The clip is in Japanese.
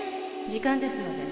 時間ですので。